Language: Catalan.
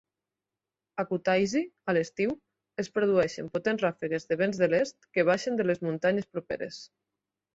A Kutaisi, a l'estiu, es produeixen potents ràfegues de vents de l'est que baixen de les muntanyes properes.